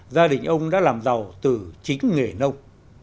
gia đình ông đã làm giàu từ chính nghề nông